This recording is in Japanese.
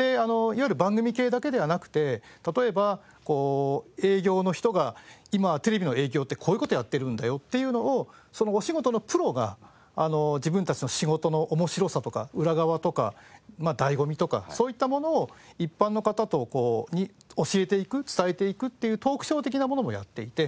いわゆる番組系だけではなくて例えばこう営業の人が「今はテレビの営業ってこういう事をやっているんだよ」っていうのをそのお仕事のプロが自分たちの仕事の面白さとか裏側とか醍醐味とかそういったものを一般の方に教えていく伝えていくっていうトークショー的なものもやっていて。